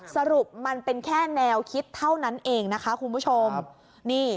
สรุปมันเป็นแค่แนวคิดเท่านั้นเองนะคะคุณผู้ชมนี่